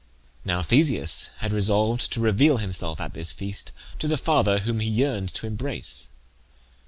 Now Theseus had resolved to reveal himself at this feast to the father whom he yearned to embrace.